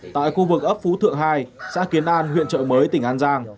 tại khu vực ấp phú thượng hai xã kiến an huyện trợ mới tỉnh an giang